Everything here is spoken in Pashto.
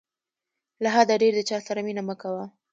له حده ډېر د چاسره مینه مه کوه.